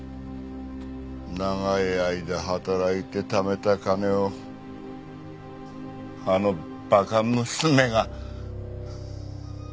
長い間働いて貯めた金をあの馬鹿娘が。